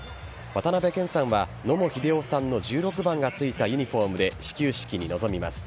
渡辺謙さんは、野茂英雄さんの１６番がついたユニホームで始球式に臨みます。